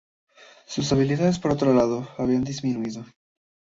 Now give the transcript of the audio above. Sus habilidades, por otro lado, habían disminuido.